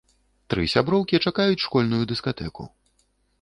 Тры сяброўкі чакаюць школьную дыскатэку.